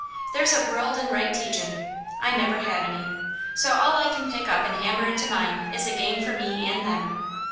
There's a world in right teachin'. I never had any. So all I can pick up an' hammer into mine is a gain for me an' them.